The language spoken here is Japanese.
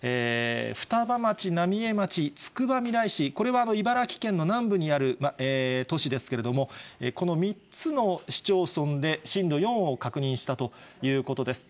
双葉町、浪江町、つくばみらい市、これは茨城県の南部にある都市ですけれども、この３つの市町村で震度４を確認したということです。